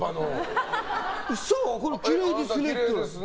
きれいですねって。